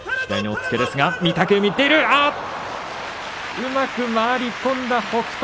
うまく回り込んだ北勝